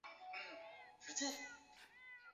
其父按浑察至顺元年薨。